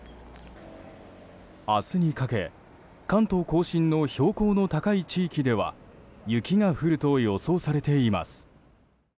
明日にかけ関東・甲信の標高の高い地域では雪が降ると予想されています。